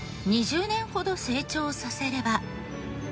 ２０年ほど成長させれば。